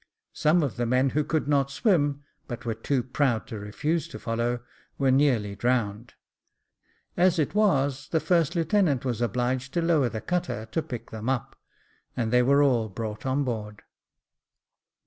Some of the men who could not swim, but were too proud to refuse to follow, were nearly drowned. As it was the first lieutenant was obliged to lower the cutter to pick them up, and they were all brought on board.